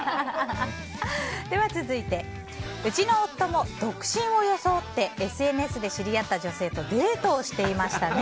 続いてうちの夫も独身を装ってＳＮＳで知り合った女性とデートをしていましたね。